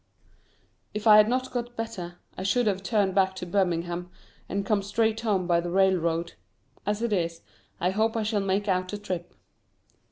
If I had not got better I should have turned back to Birmingham, and come straight home by the railroad. As it is, I hope I shall make out the trip.